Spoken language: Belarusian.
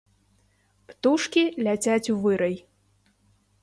Птушкі ляцяць у вырай.